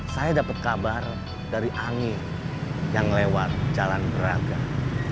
saya dapat kabar dari angin yang lewat jalan beragam